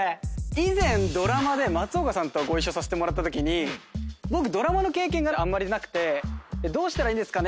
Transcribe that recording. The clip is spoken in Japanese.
以前ドラマで松岡さんとご一緒させてもらったときに僕ドラマの経験があんまりなくてどうしたらいいんですかね？